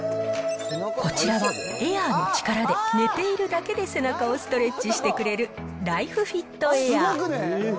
こちらはエアーの力で寝ているだけで背中をストレッチしてくれる、ＬＩＦＥＦＩＴエアー。